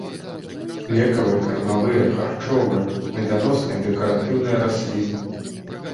Лекавыя, кармавыя, харчовыя, меданосныя і дэкаратыўныя расліны.